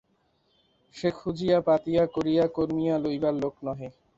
সে খুঁজিয়া-পাতিয়া করিয়া-কর্মিয়া লইবার লোক নহে।